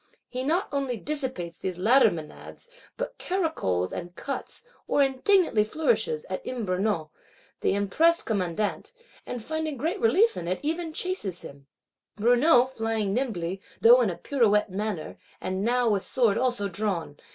He not only dissipates these latter Menads; but caracoles and cuts, or indignantly flourishes, at M. Brunout, the impressed commandant; and, finding great relief in it, even chases him; Brunout flying nimbly, though in a pirouette manner, and now with sword also drawn.